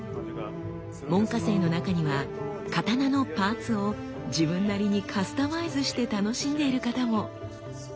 門下生の中には刀のパーツを自分なりにカスタマイズして楽しんでいる方も。